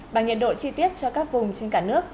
bằng nhiệt độ chi tiết cho các vùng trên cả nước